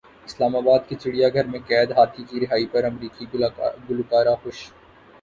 اسلام باد کے چڑیا گھر میں قید ہاتھی کی رہائی پر امریکی گلوکارہ خوش